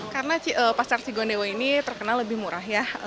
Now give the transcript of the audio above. karena pasar cigondeo ini terkenal lebih murah ya